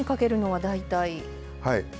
はい。